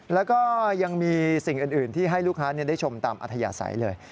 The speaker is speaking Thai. แล้วก็ยังมีสิ่งอื่นที่ให้ลูกค้าได้ชมตามอัธยาศัยเลย